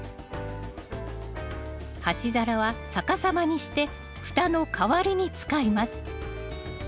鉢皿は逆さまにして蓋の代わりに使います。